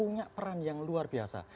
punya peran yang luar biasa